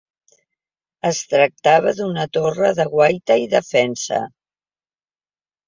Es tractava d'una torre de guaita i defensa.